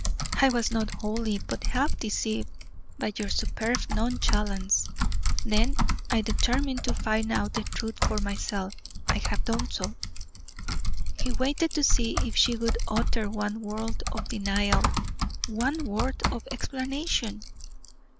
I was not wholly, but half deceived, by your superb nonchalance; then I determined to find out the truth for myself. I have done so." He waited to see if she would utter one word of denial, one word of explanation.